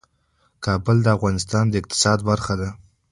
کابل د افغانستان د اقتصاد برخه ده.